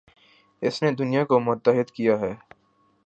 اس نے دنیا کو متحد کیا ہے